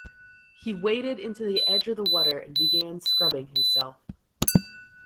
He waded into the edge of the water and began scrubbing himself.